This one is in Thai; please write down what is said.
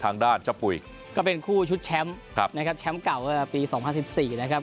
ทางด้านชับปุ๋ยก็เป็นคู่ชุดแชมป์นะครับแชมป์เก่าปีสองห้าสิบสี่นะครับ